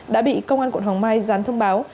đã bị công an quận hồng mai dán thông báo